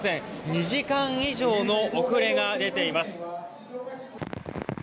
２時間以上の遅れが出ています。